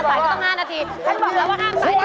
สายก็ต้อง๕นาทีเขาบอกแล้วว่าห้ามสาย